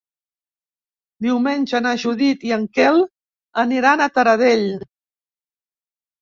Diumenge na Judit i en Quel aniran a Taradell.